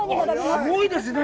すごいですね。